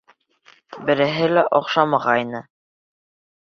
Береһе лә оҡшамағайны.